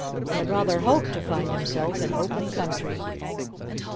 He had rather hoped to find himself in open country.